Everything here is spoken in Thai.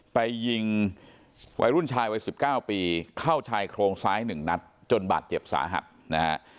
ไปยิงวัยรุ่นชายวัย๑๙ปีเข้าชายโครงซ้าย๑นัดจนบาดเจ็บสาหัสนะฮะ